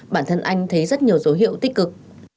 bản thân anh thấy rất nhiều dấu hiệu tích cực